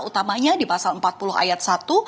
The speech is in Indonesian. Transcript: utamanya di pasal empat puluh ayat satu